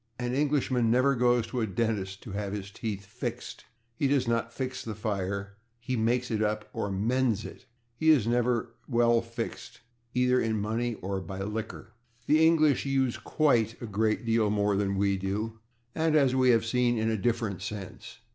An Englishman never goes to a dentist to have his teeth /fixed/. He does not /fix/ the fire; he /makes it up/, or /mends/ it. He is never /well fixed/, either in money or by liquor. The English use /quite/ a great deal more than we do, and, as we have seen, in a different sense.